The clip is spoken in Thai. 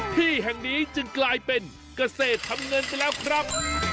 ที่แห่งนี้จึงกลายเป็นเกษตรทำเงินไปแล้วครับ